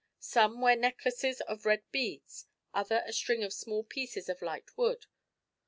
Some wear necklaces of red beads, others a string of small pieces of light wood.